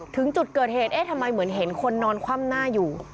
ถึงจุดเกิดเหตุเอ๊ะทำไมเหมือนเห็นคนนอนคว่ำหน้าอยู่